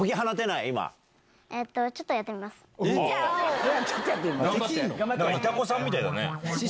いたこさんみたいだね。